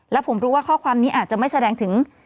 และผมรู้ว่าข้อความนี้อาจจะไม่แสดงถึง